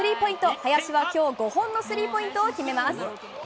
林は今日、５本のスリーポイントを決めます。